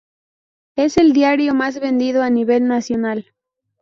Es el diario más vendido a nivel nacional.